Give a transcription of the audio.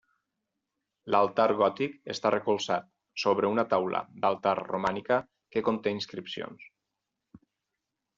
L'altar gòtic està recolzat sobre una taula d’altar romànica que conté inscripcions.